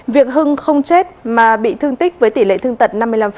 việc hưng không chết mà bị thương tích với tỷ lệ thương tật năm mươi năm